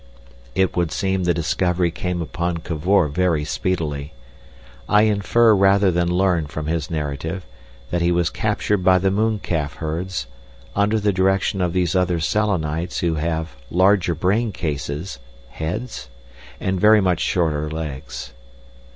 It would seem the discovery came upon Cavor very speedily. I infer rather than learn from his narrative that he was captured by the mooncalf herds under the direction of these other Selenites who "have larger brain cases (heads?) and very much shorter legs."